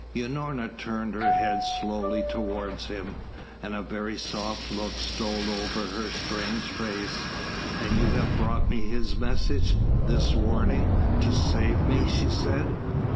Unorna turned her head slowly towards him, and a very soft look stole over her strange face. "And you have brought me his message this warning to save me?" she said.